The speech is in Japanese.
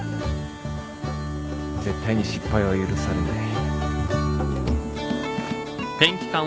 絶対に失敗は許されない。